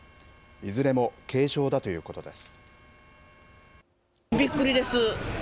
いずれも軽傷だということです。